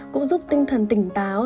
cũng giúp tinh thần tỉnh táo